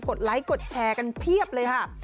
ไลค์กดแชร์กันเพียบเลยค่ะ